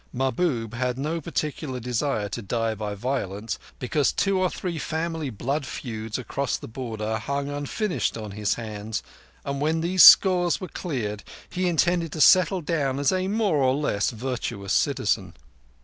Mahbub had no particular desire to die by violence, because two or three family blood feuds across the Border hung unfinished on his hands, and when these scores were cleared he intended to settle down as a more or less virtuous citizen.